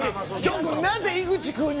なぜ、井口君に。